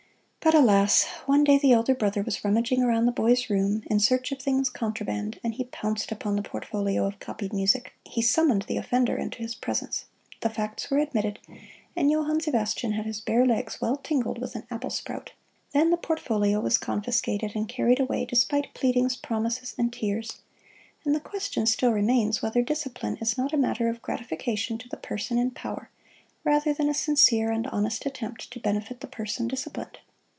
But alas! one day the elder brother was rummaging around the boy's room in search of things contraband and he pounced upon the portfolio of copied music. He summoned the offender into his presence. The facts were admitted, and Johann Sebastian had his bare legs well tingled with an apple sprout. Then the portfolio was confiscated and carried away, despite pleadings, promises and tears. And the question still remains whether "discipline" is not a matter of gratification to the person in power rather than a sincere and honest attempt to benefit the person disciplined.